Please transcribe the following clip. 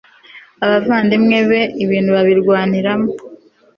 abavandimwe be ibintu babirwaniramo